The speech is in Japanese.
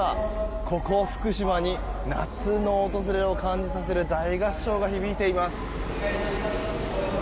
ここ福島に夏の訪れを感じさせる大合唱が響いています。